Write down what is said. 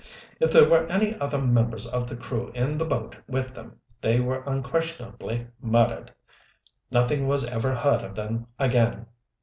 "If there were any other members of the crew in the boat with them they were unquestionably murdered. Nothing was ever heard of them again.